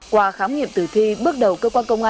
qua khám nghiệm tử thi bước đầu cơ quan công an